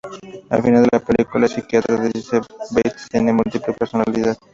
Al final de la película, un psiquiatra dice que Bates tiene múltiple personalidad.